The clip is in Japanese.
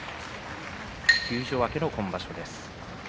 休場明けの今場所です。